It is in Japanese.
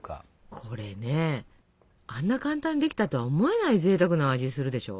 これねあんな簡単にできたとは思えないぜいたくな味するでしょ？